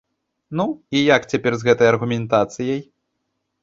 Ну і як цяпер з гэтай аргументацыяй?